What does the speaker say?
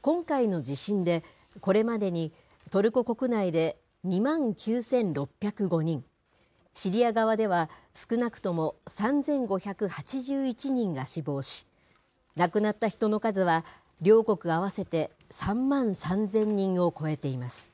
今回の地震でこれまでにトルコ国内で２万９６０５人、シリア側では少なくとも３５８１人が死亡し、亡くなった人の数は両国合わせて３万３０００人を超えています。